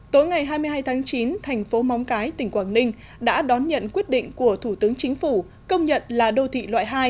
tối ngày hai mươi hai tháng chín thành phố móng cái tỉnh quảng ninh đã đón nhận quyết định của thủ tướng chính phủ công nhận là đô thị loại hai